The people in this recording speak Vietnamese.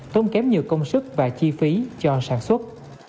tốn kém nhiều công sức và chi phí cho sản xuất